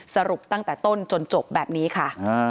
สรุปตั้งแต่ต้นจนจบแบบนี้ค่ะ